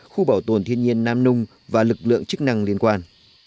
khu bảo tồn thiên nhiên nam nung và lực lượng chức năng liên quan